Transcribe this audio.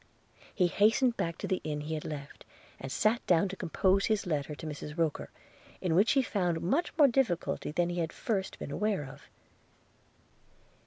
He hastened back to the inn he had left, and sat down to compose his letter to Mrs Roker, in which he found much more difficulty than he had at first been aware of.